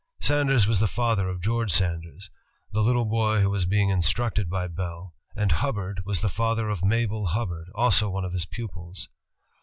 Sanders was the father of George Sanders, the little boy who was being instructed by Bell, and Hubbard was the father of Mabel Hubbard, also one of his pupils.